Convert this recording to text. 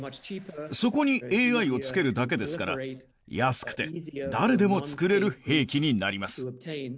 そこにＡＩをつけるだけですから、安くて、誰でも作れる兵器になります。